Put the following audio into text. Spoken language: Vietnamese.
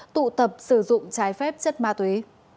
tụ tập sử dụng trái phép chất ma túy